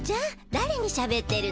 だれにしゃべってるの？